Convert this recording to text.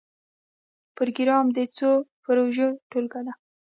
پروګرام د څو پروژو ټولګه ده